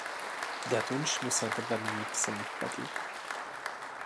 De atunci nu s-a întâmplat nimic semnificativ.